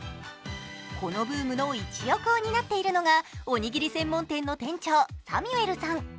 このブームの一翼を担っているのが、おにぎり専門店の店長、サミュエルさん。